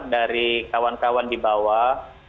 dari kawan kawan di bawah